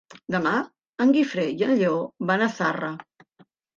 Demà en Guifré i en Lleó van a Zarra.